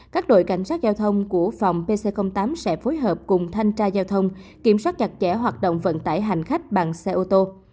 các đội cảnh sát giao thông của phòng pc tám sẽ phối hợp cùng thanh tra giao thông kiểm soát chặt chẽ hoạt động vận tải hành khách bằng xe ô tô